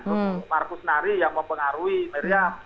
untuk markus nari yang mempengaruhi miriam